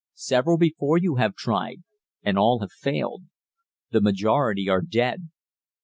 Several before you have tried, and all have failed; the majority are dead.